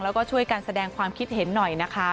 แล้วก็ช่วยกันแสดงความคิดเห็นหน่อยนะคะ